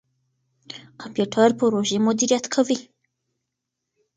کمپيوټر پروژې مديريت کوي.